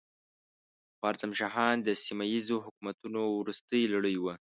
خوارزم شاهان د سیمه ییزو حکومتونو وروستۍ لړۍ وه.